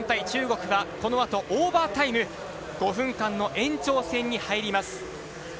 中国は、このあとオーバータイム５分間の延長戦に入ります。